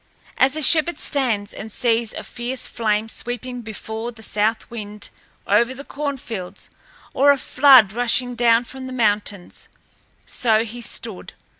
As a shepherd stands and sees a fierce flame sweeping before the south wind over the corn fields or a flood rushing down from the mountains, so he stood.